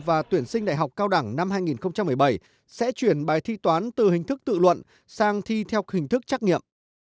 và tuyển sinh đại học cao đẳng năm hai nghìn một mươi bảy sẽ chuyển bài thi toán từ hình thức tự luận sang thi theo hình thức trắc nghiệm